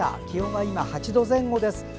気温は今８度前後です。